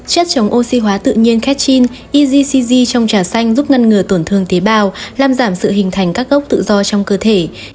chất chống oxy hóa tự nhiên ketin egc trong trà xanh giúp ngăn ngừa tổn thương tế bào làm giảm sự hình thành các gốc tự do trong cơ thể